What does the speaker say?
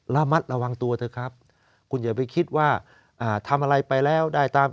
ระมัดระวังตัวเถอะครับคุณอย่าไปคิดว่าทำอะไรไปแล้วได้ตาม